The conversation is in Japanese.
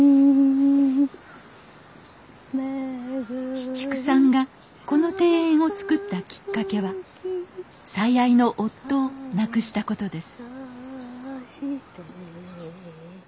紫竹さんがこの庭園を造ったきっかけは最愛の夫を亡くしたことです